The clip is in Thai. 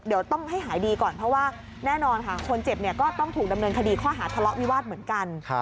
เดี๋ยวต้องให้หายดีก่อนเพราะว่าแน่นอนค่ะคนเจ็บก็ต้องถูกดำเนินคดีข้อหาทะเลาะวิวาสเหมือนกัน